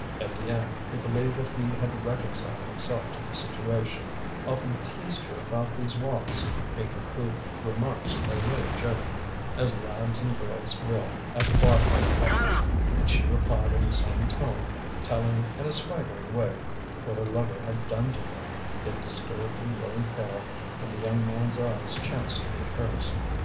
Étienne, who believed that he had reconciled himself to the situation, often teased her about these walks, making crude remarks by way of joke, as lads and girls will at the bottom of the cuttings; and she replied in the same tone, telling in a swaggering way what her lover had done to her, yet disturbed and growing pale when the young man's eyes chanced to meet hers.